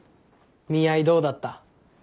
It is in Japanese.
見合いどうだった？